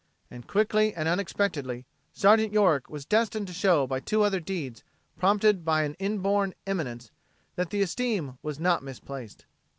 And quickly and unexpectedly, Sergeant York was destined to show by two other deeds, prompted by an inborn eminence, that the esteem was not misplaced.